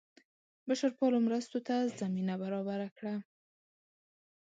بشرپالو مرستو ته زمینه برابره کړه.